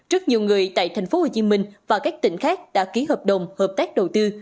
rất nhiều người tại thành phố hồ chí minh và các tỉnh khác đã ký hợp đồng hợp tác đầu tư